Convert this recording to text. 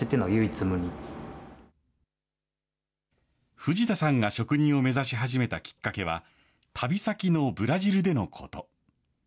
藤田さんが職人を目指し始めたきっかけは、旅先のブラジルでのこと。